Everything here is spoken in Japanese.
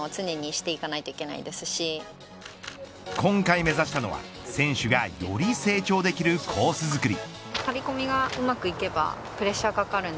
今回目指したのは、選手がより成長できるコース作り。